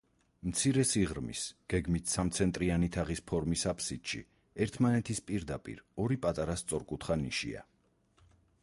მცირე სიღრმის, გეგმით სამცენტრიანი თაღის ფორმის აფსიდში ერთმანეთის პირდაპირ ორი პატარა სწორკუთხა ნიშია.